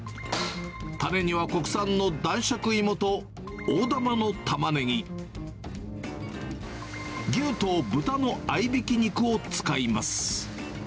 種には、国産の男爵いもと大玉のタマネギ、牛と豚の合いびき肉を使います。